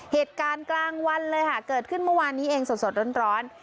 เหตุการณ์กลางวันเลยค่ะเกิดขึ้นเมื่อวานนี้เองสดร้อน